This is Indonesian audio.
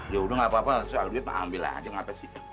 ya udah gak apa apa soal duit ambil aja ngapain sih